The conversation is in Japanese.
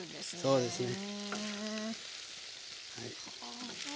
そうですね。